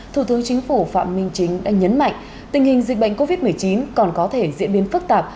thủ tướng chính phủ phạm minh chính đã nhấn mạnh tình hình dịch bệnh covid một mươi chín còn có thể diễn biến phức tạp